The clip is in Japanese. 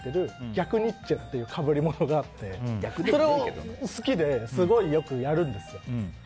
逆ニッチェっていう被り物があってそれが好きですごいよくやるんです。